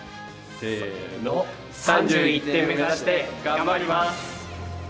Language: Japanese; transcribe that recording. せの３１点目指して頑張ります！